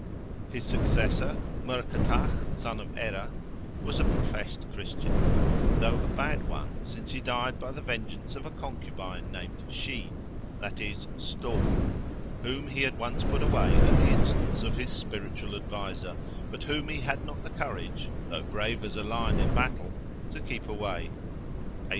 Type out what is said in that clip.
His successor, MURKERTACH, son of Ere, was a professed Christian, though a bad one, since he died by the vengeance of a concubine named Sheen, (that is, storm,) whom he had once put away at the instance of his spiritual adviser, but whom he had not the courage—though brave as a lion in battle—to keep away (A.